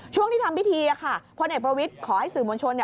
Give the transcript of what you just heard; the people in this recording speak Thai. ช่วงที่ทำพิธีค่ะพลเอกประวิทย์ขอให้สื่อมวลชน